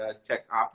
yang harus jadi ada